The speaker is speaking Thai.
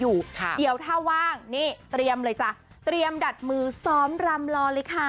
อยู่ค่ะเดี๋ยวถ้าว่างนี่เตรียมเลยจ้ะเตรียมดัดมือซ้อมรำรอเลยค่ะ